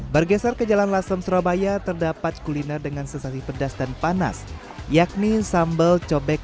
bergeser ke jalan lasem surabaya terdapat kuliner dengan sensasi pedas dan panas yakni sambal cobek